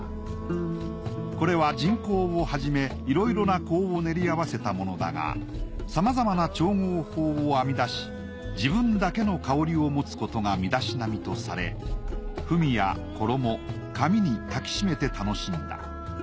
これは沈香をはじめいろいろな香を練り合わせたものだがさまざまな調合法を編み出し自分だけの香りを持つことが身だしなみとされ文や衣髪に薫きしめて楽しんだ。